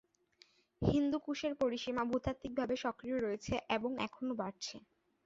হিন্দু কুশের পরিসীমা ভূতাত্ত্বিকভাবে সক্রিয় রয়েছে এবং এখনও বাড়ছে।